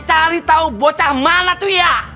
cari tahu bocah mana tuh ya